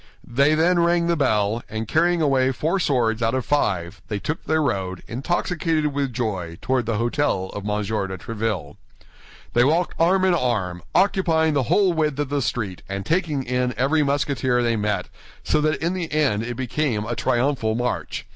They then rang the bell, and carrying away four swords out of five, they took their road, intoxicated with joy, toward the hôtel of M. de Tréville. They walked arm in arm, occupying the whole width of the street and taking in every Musketeer they met, so that in the end it became a triumphal march.